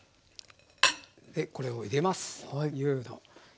これを入れます。